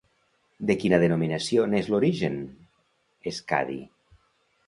De quina denominació n'és l'origen, Skadi?